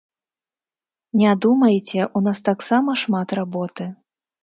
Не думайце, у нас таксама шмат работы.